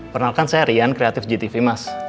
pernah kan saya rian kreatif gtv mas